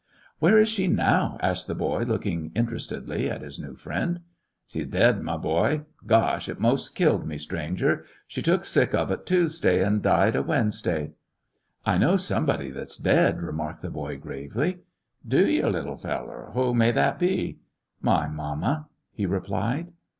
"Where is she now!" asked the boy, look ing interestedly at his new friend. "She 's dead, my boy. Gosh ! it 'most killed me, stranger. She took sick of a Tuesday, an' died a Wednesday." "I know somebody that 's dead," remarked the boy, gravely. "Do you, little feller t Who may that be t " "My mama," he replied.